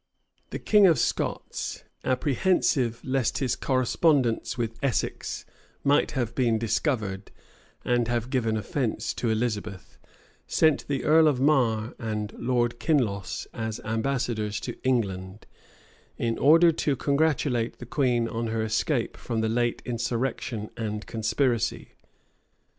The king of Scots, apprehensive lest his correspondence with Essex might have been discovered, and have given offence to Elizabeth sent the earl of Marre and Lord Kinloss as ambassadors to England, in order to congratulate the queen on her escape from the late insurrection and conspiracy.